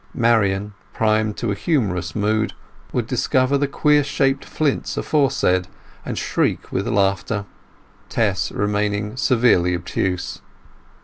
Marian, primed to a humorous mood, would discover the queer shaped flints aforesaid, and shriek with laughter, Tess remaining severely obtuse.